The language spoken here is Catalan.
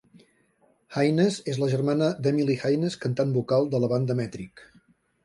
Haines és la germana d'Emily Haines, cantant vocal de la banda Metric.